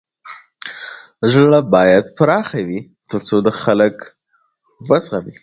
زړه بايد پراخه وي تر څو د خلک و زغمی.